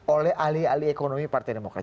oleh ahli ahli ekonomi partai demokrat